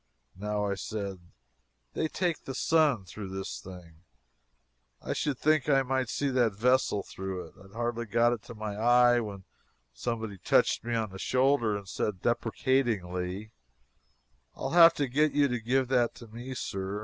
Now, I said, they "take the sun" through this thing; I should think I might see that vessel through it. I had hardly got it to my eye when someone touched me on the shoulder and said deprecatingly: "I'll have to get you to give that to me, Sir.